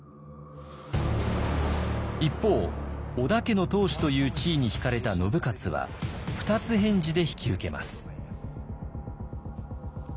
一方織田家の当主という地位に引かれた信雄は二つ返事で引き受けます。